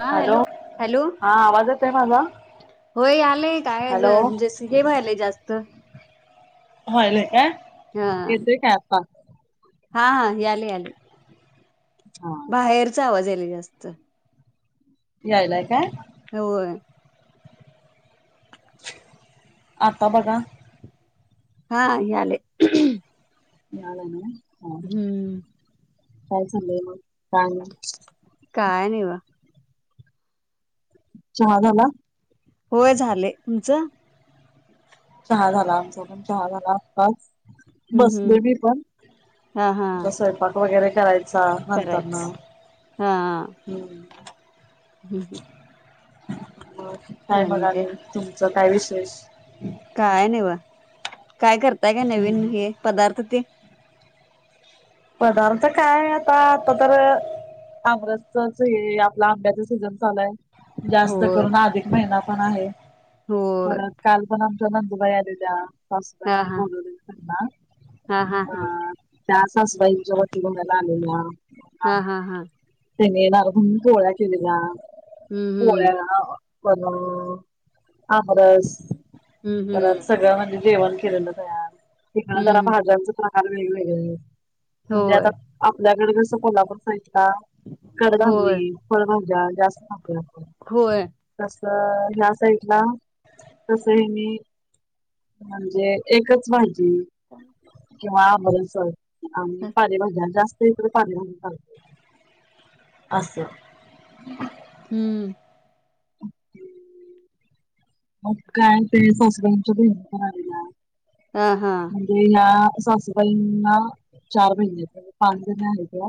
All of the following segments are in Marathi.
हा हॅलो हॅलो हा आवाज येतोय माझा होय आलंय काय आज हॅलो हे व्हायलंय जास्त. व्हायलंय काय. ह येतोय काय आता हा हा आले आले. हा बाहेरचा आवाज य स्त यायलाय काय? होय. आता बघा. हा यालय. याला ना. हा हम्म. काय झालंय म हा. काय नाहीवा चहा झाला. होय झाले, तुमचं? चहा झाला आमचा पण, चहा झाला आताच हम् बसलोय हम् मी पण हा हा आता स्वयंपाक वगैरे करायचा नंतरन करायच हा हम्म. [unintelligible] मळ काय म्हणाले तुमच? [unintelligible] वीस वीस काय नई बगा काय करताय काय नवीन हे पदार्थ ते? पदार्थ काय आता, आता तर आमरसच हे आपलं आंब्याच सीझन चालू आय. जास्त होय करून अधिक महिना पण आहे, होय परत काल पण आम च नंदुबाई आलेल्या. हा सासूबाईंनी हा बोलावलेलं त्यांना हा हा हा अ त्याच आईंच्या वटी भरायला आलेल्या. हा हा हा. तेनि येणारे म्हणून पोळ्या केलेल्या हम्म पोळ्या हम्म अ पन, आमरस हम्म परत हम्म सगळ्या म्ह [unintelligible] जेवण केलेलं तयार तेन्ना जरा हम्म भाज्यांच [unintelligible] [unintelligible] म्हणजे आता होय आपल्याकड कसं कोल्हापूर साईटला होय कडधान्ये, फळभाज्या जास्त खातोय आपण होय तस अ ह्या साईटला तसही मी म्हणजे एकच भाजी जी किंवा आम [unintelligible] आणि पालेभाज्या जास् त हिकडं पालेभाजी चालतय, असं हम्म. ओके मग काय ते सासऱ्यांच्या बहिणी पण आलेल्या. हा हा म्हणजे ना सासूबाईंना चार बहिणी आहेत, म्हणजे पाच जण आहेत्या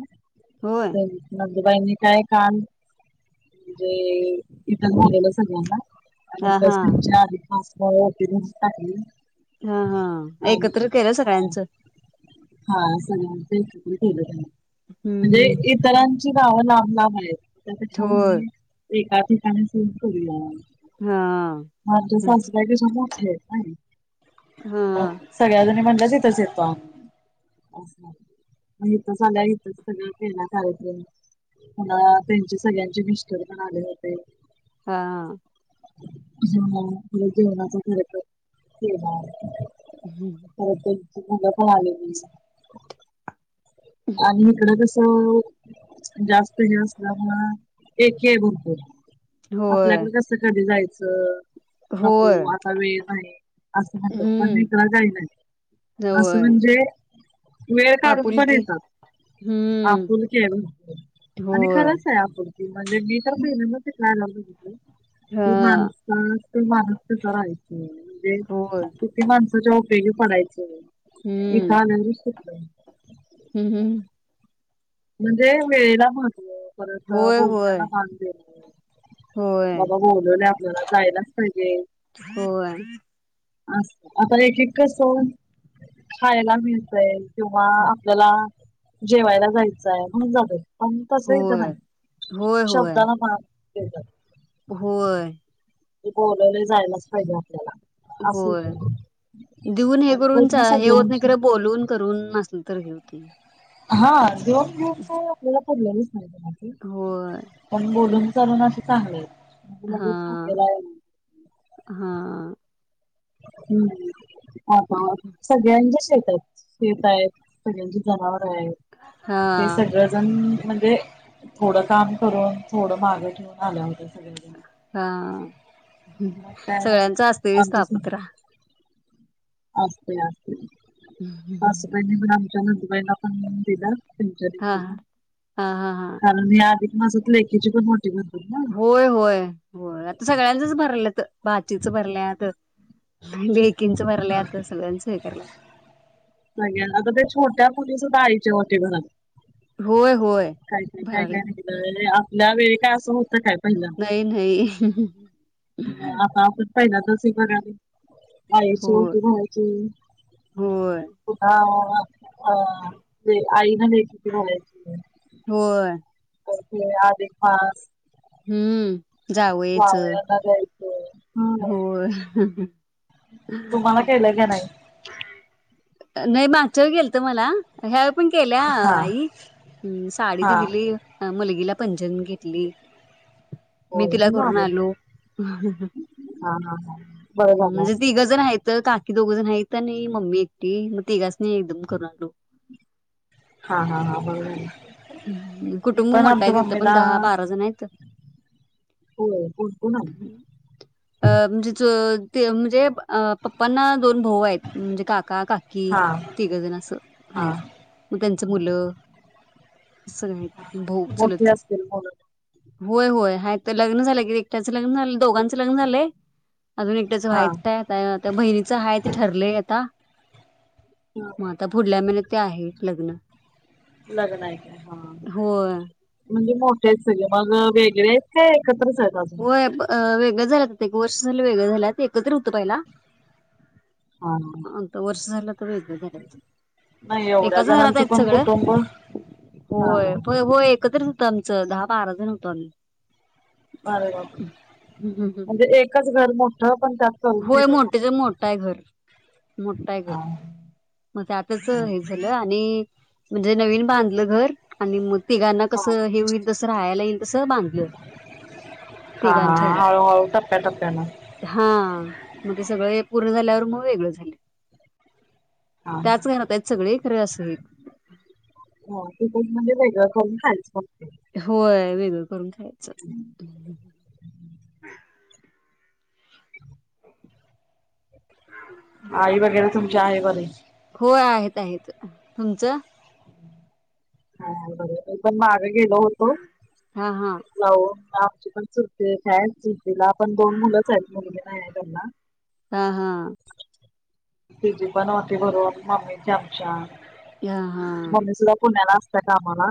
होय. [unintelligible] त्या बाईंनी काय काम म्हणजे इथ बोललेल्या सगळ्यांना आणि हा हा त्यांच्या [unintelligible] हो, तीनीच टाकली. हा! हा! आणि एकत्र केलं हा सगळ्यांचं हा, सगळ्यांचं एकत्र केलं [inaudible] हम्म म्हणजे हम्म इतरां ची भावं लांब लांब हायत. त्यापेक्षा होय. म्हणजे एकात ठिकाणी सुरु करूया. हा हा तुझ्या सासूबाईपेक्षा मोठेय. [inaudible] हा. म्हणलं तिथंच येतो आम्ही. इथंच आल्या इथंच सगळ केलं कार्यक्रम. पुन्हा त्यांचे सगळ्यांचे मिस्टर पण आले होते. हा. ह, जेवणाचं खरं तर [inaudible] हम्म. मुलं पण आलेली. आणि इकडे तस हं. जास्त हे असल्यामुळं एक हे भरपूर होय आपल्याकडे कसं कधी जाय च नको, होय आता वेळ नाही असं म्हणतात पण हम्म इकडं काही नाही असं होय. म्हणजे वेळ काढून पण आपुलकी येतात. हम्म आपुलकीय भरपूर आणि होय खरंच आहे आपुल म्हणजे मी तर पहिल्यांदा तिथनं आल्यावर बघी हा कि माणसं माणुस कसं राहायचं म्हणजे होय कीती माणसाच्या [inaudible] पडायचं. हम्म एका आनंद [inaudible] हम् हम्म म्हणजे वेळेला महत्त्व परत अ होय होय बोलण्याला मान देणे. होय बाबा बोलवले आपल्याला जायलाच पाहिजे. होय अस आता देखे कस खायला मिळतय. किंवा आपल्याला जेवायला जायचं. म्हणूनच जातोय. प तसही तर होय नाही होय होय शब्दाला मार ह होय. बोलवले जायलाच फहिजे आपल्याला असं होय इथं देऊन हे आणि करून पूर्ण चा हे होत नाही सगळ्यांची खर बोलून करून नसल तर घेऊ. ते हा जो आपल्याला पड होय पण बोलून करून असे चांगले. म्हणजे हा लगेच हाकेला येणं हा हम्म अ सगळ्यांच्या [unintelligible] येत आहेत. पी जनावर आहे ते हा सगळंजण म्हणजे थोडं काम करून थोडं मागे ठेवून आल्या होत. हा ह मग काय सगळ्यांचा असते पापुत्रा असस्ते असते. बस त्यां दुबईला पण दिला. त हा तक ना हा हा हा हा. ख न माझं लेकीची पण मोठी होय होय होय आता सगळ्यांचच भरलं तर भाचीच भरलेता. बकीनच परले हा. आता सुधान स्करलं. पुली सुधायचे होते घरात होय होय. काय काय काय भराल्यात काय न वेळ काय असं होतं खा. नाही नाही. पहिला तस बरा आईची होय ओटी भरायची. होय तुला अ ते आईन लेकीची भरायची. होय. [unintelligible] अधिक मास. हम्म. जावयाच जावयांना द्या होय. तुम्हाला केलयं काय नाही. नाही मागच्यावेळी केलत मला ह्या पण केल्या हा आई. हम्म साडी हा ते दिली. मुलगीला पंजन घेतली. मी होय तिला मग करून झालं आलो, हा हा हा बरं झालं. म्हणजे तीगजण हायत. तर काकी दोघजण हायत. ता नाही मम्मी एकटी. मग तिघासणी एकदम करून आलो. हा हा हा बरं झालं. मी कुटुंब पण मोठा आमच्या हाय, तिथ पण मम्मीला दहा बारा जण आहेत. होय कुंकू नाही अ म्हणजे चू ते म्हणजे पप्पांना दोन भाऊ आहे म्हणजे काका काकी हा तिघजण असं हा आहेत. मग त्यांच मुलं. सगळे हायत भऊ मोठी चुलत. असतील मुलं होय होय आहेय तर लग्न झालं कि, एकट्याचं लग्न झालं. दोघांच लग्न झालय, अजून एकट्याच हा व्हायचंय. त्या आता बहिणीच हाय ते ठरलय. मग आता पुुढल्या महिन्यात ते आहे लग्न लग्न आहे काय हा होय. म्हणजे मोठे आहेत सगळी, मग वेगळे आहेत काय एकत्रच आहेत अजून होय वेगळ झाल्यात आता एक व वर्ष झालं वेगळं झाल्यात एकत्र हुतं पहिला. हा आता वर्ष झालं आता वेगळं झाल्यात. नाही एवढ्या एकाच घरात जणांचं आहेत पण सगळं, कुटुंब हा होय हा होय. एकत्रच होतं आमचं, दहा बारा जण होतो आम्ही. अरे बापरे हम्म, हम्म. म्हणजे एकच घर मो ह. होय मोठ्च्या मोठाय घर मोठाय घर. हा मग त्यातच हे झालं आणि म्हणजे नवीन बांधलं घर. आणि मग तिघांना हा कसं हे व्हील तसं राहायला येईल तस बांधलं हा हा तिघांच्याला हळूहळू टप्प्याटप्प्यानं हा... मग ते सगळं एक पूर्ण झाल्यावर मग वेगळं झालं. हा त्याच घरात आहेत सगळी खरे असं... हो तिथंच [inaudible] होय वेगळी करून खायचं आई वगैरे तुम [unintelligible] होय आहेत आहेत तुमचं. ह [unintelligible] केलो होतो हा हा जाऊ आमची पण चुलती एक आहे चुलतीला पण दोन मुलं सा आहेत मुलगी नाही आहे त्यांना हा हा. तीजी पण वटी भरून मम्मीची आमच्या हा हा ऑफिसला पुण्याला असतोय कामाला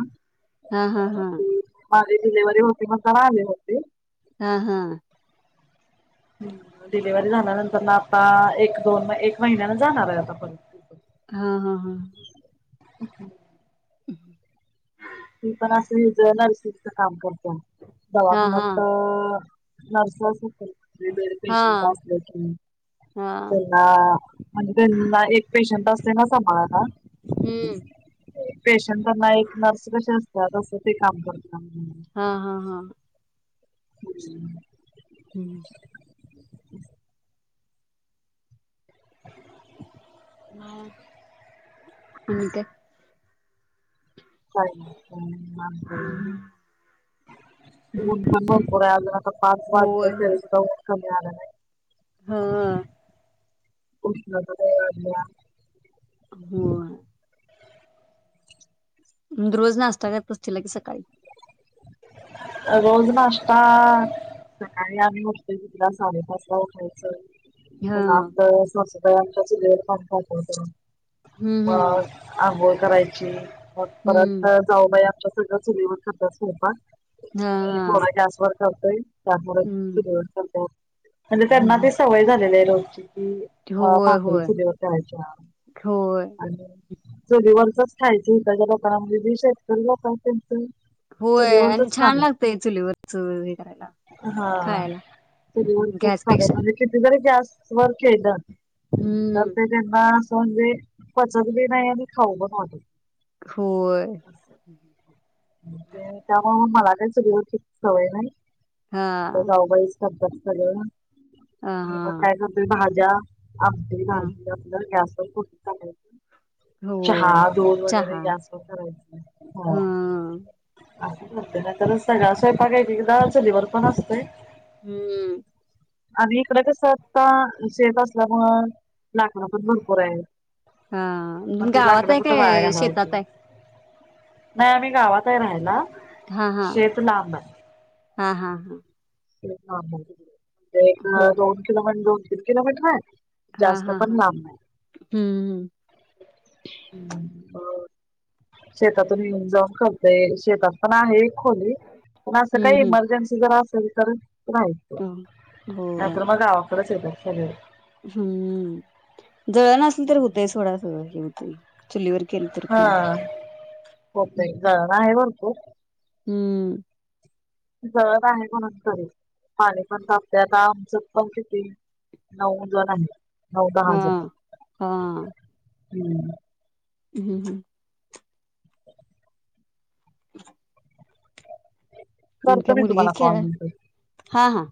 हा हा हा. ती माझी डिलिव्हरी होती म्हणताना आले होते. हा हा. ह डिलिव्ही झाल्यानंतर आता एक दोन एक महिन्यान जाणार आहे आता पर हा हा हा. [inaudible] हम्. मी पण असं इथं नरसिंग चे काम करते हा दवाखानत हा तर. नर्स [inaudible] त्यांच्याकडं हा पेशंट असलं की हा त्यांना म्हणजे त्यांना एक पेशंट असते ना सांभाळायला हम्म पेशंट त्यांना एक नर्स ते असतात असं ते काम हा- हा - हा [inaudible] हम्म [inaudible] आणि काय? [unintelligible] उन पण भरपुर [inaudible] [unintelligible] होय ते आलं नाही. हं [inaudible] होय. रोज नास्ता करतोस तीला की सकाळी रोज नाश्ता सकाळी आम्ही उठतो तुला साडेपाच ला उठायचं. हा पण आपल्या वेळेस [unintelligible] हम्म [unintelligible] अ हम्म आ बोल करायची. ओके पर्यंत हम्म जाऊ बाई आमच्या सगळं चुलीवर करतात स्वयंपाक. हा म हा थोडा गॅसवर हा ताई [unintelligible] हम्म म्हणजे त्यांना हम्म ते सवय झालेली आहे. [inaudible] कि होय, भाकरी होय, चलीवर करायच्या होय, आणि चुलीवरचच खायचं त्याच्या लोकांमध्ये जे शेतकरी लोकं त्यांच होय अंच छान लागतय चुलीवर च हे करायला हा. खायला. गॅसपेक्षा. स्वर के दाद तर हम्म ते त्यांना म्हणजे पचत बी नाही आणि खाऊ पण वाटत होय. ते त्यामुळे मला लाईसिक वैसिक सवय नाही. ते हा. जाऊबाईच बघतात. हॅलो. अ हा [unintelligible] ज्या आप अ [unintelligible] [unintelligible] चहा होय दूध वगैरे चहा गॅसवर करायचं हो. हं मित तर म्हणते त्यांचा रोज सगळा स्वयंपाक पण डाळ दालचण्यावर असते. हम्म. आम्ही इकडं कसं आत्ता शेत असल्यामुळ लाकडं पण भरपूर आहेत हा मग ते गावात लाकडं आहे कुठ वाया काय घालवायची. शेतात आहे? नाही आम्ही गावात. ना राहिना हा हा शेत नाम. हा हा. [unintelligible] एक अ हा दोन किलोमींट दू किलोमीटर [unintelligible] हा जास्त हा हा पण लांब नाही. हम्म शेतातून येऊन जॉब करतेय शेतात पण आहे. खोले पण अस हम्म काही हम्म इमर्जन्सी जर अस तर नाही हम्म. होय तरर मघा [unintelligible] [unintelligible] हम्म. दळण असलं तर होतय सोळा सोळा किलो.. च्चुलीवर. हां होतंय का बाय मन. हो. हम्म. जवळ आहे म्हणून खर पाणी पण तापते आता आमचं पण किती नऊ जण असतात. हं हा. [inaudible] [inaudible] [inaudible] आणि करतो काय मी मुलगी तुम्हाला कॉल खेळा म्हणज हा हा